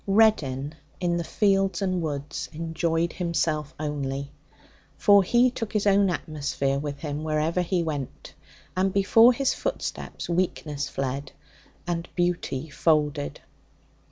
Reddin in the fields and woods enjoyed himself only. For he took his own atmosphere with him wherever he went, and before his footsteps weakness fled and beauty folded.